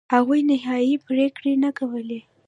هغوی نهایي پرېکړې نه کولې.